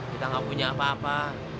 kita nggak punya apa apa